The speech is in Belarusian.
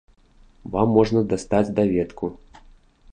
Вам можна дастаць даведку.